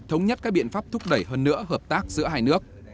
thống nhất các biện pháp thúc đẩy hơn nữa hợp tác giữa hai nước